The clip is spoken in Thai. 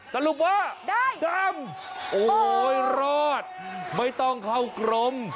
สรุปว่าได้ดำโอ้โหรอดไม่ต้องเข้ากรม